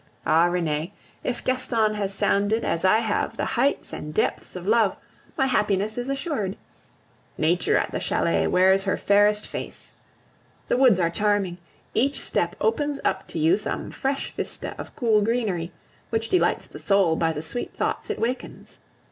Ah! Renee, if Gaston has sounded, as I have, the heights and depths of love, my happiness is assured! Nature at the chalet wears her fairest face. The woods are charming; each step opens up to you some fresh vista of cool greenery, which delights the soul by the sweet thoughts it wakens.